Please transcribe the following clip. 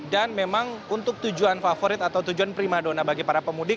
dan memang untuk tujuan favorit atau tujuan prima donna bagi para penjual di sini